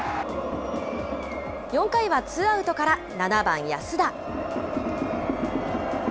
４回はツーアウトから７番安田。